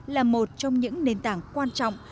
là một trong những nền tảng quan trọng